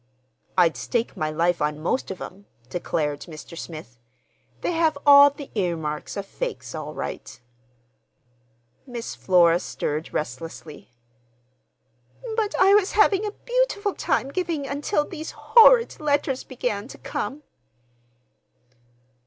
"I'd stake my life on most of 'em," declared Mr. Smith. "They have all the earmarks of fakes, all right." Miss Flora stirred restlessly. "But I was having a beautiful time giving until these horrid letters began to come."